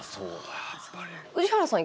宇治原さん